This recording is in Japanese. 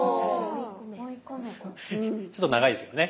ちょっと長いですけどね。